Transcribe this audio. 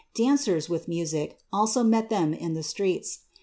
Dancers, music, also met them in the streets.